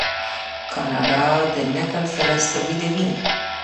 کاناډا د نکل فلز تولیدوي.